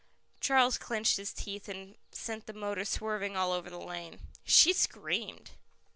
Charles clenched his teeth and sent the motor swerving all over the lane. She screamed.